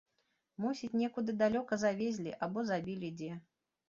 Мусіць, некуды далёка завезлі або забілі дзе.